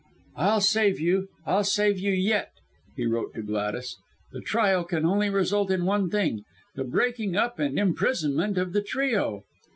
"I'll save you! I'll save you yet!" he wrote to Gladys. "The trial can only result in one thing the breaking up and imprisonment of the trio."